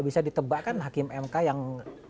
bisa ditebakkan hakim mk yang